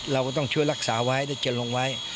เราก็ต้องช่วยรักษาไว้ได้จนลงไว้